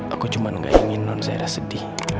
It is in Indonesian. aku cuma gak ingin nonzaira sedih